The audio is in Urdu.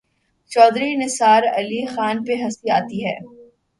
چوہدری نثار علی خان پہ ہنسی آتی ہے۔